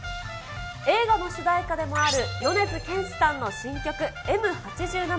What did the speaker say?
映画の主題歌でもある米津玄師さんの新曲、Ｍ八七。